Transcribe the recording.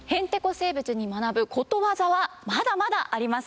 生物に学ぶことわざはまだまだありますよ。